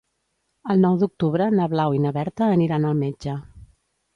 El nou d'octubre na Blau i na Berta aniran al metge.